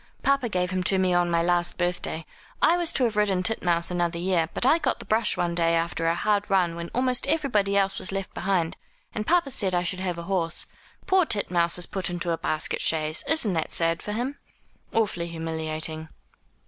"Papa gave him to me on my last birthday. I was to have ridden Titmouse another year; but I got the brush one day after a hard run when almost everybody else was left behind, and papa said I should have a horse. Poor Titmouse is put into a basket chaise. Isn't it sad for him?' "Awfully humiliating."